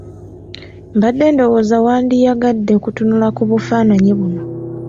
Mbadde ndowooza wandiyagadde okutunula ku bufaananyi buno.